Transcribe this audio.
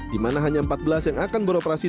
di mana hanya empat belas yang akan beroperasi